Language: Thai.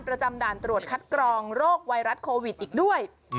ด่านตรวจคัดกรองโรคไวรัสโควิดอีกด้วย